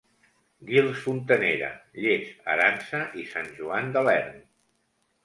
Guils Fontanera, Lles, Aransa i Sant Joan de l'Erm.